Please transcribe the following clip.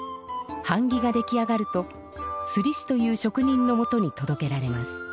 はん木が出来上がるとすりしというしょく人のもとにとどけられます。